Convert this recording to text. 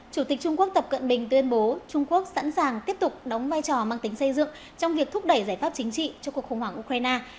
chủ tịch trung quốc tập cận bình tuyên bố trung quốc sẵn sàng tiếp tục đóng vai trò mang tính xây dựng trong việc thúc đẩy giải pháp chính trị cho cuộc khủng hoảng ukraine